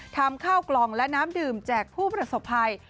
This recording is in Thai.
ทำข้าวกล่องและน้ำดื่มแจกผู้ประสบภัย